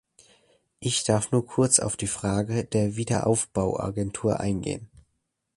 Ich darf nun kurz auf die Frage der Wiederaufbauagentur eingehen.